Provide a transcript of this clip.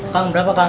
kang berapa kang